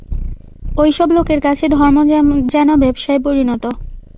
এইসব লোকের কাছে ধর্ম যেন ব্যবসায়ে পরিণত।